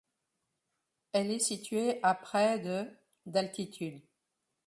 Elle est située à près de d'altitude.